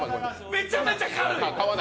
めちゃめちゃ軽い！